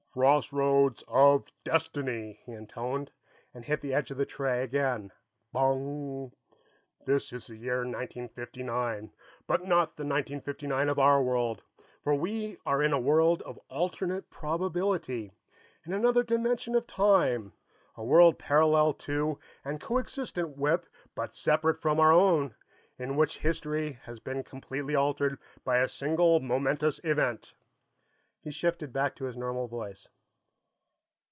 "Crossroads of Destiny!" he intoned, and hit the edge of the tray again, Bong! "This is the year 1959 but not the 1959 of our world, for we are in a world of alternate probability, in another dimension of time; a world parallel to and coexistent with but separate from our own, in which history has been completely altered by a single momentous event." He shifted back to his normal voice.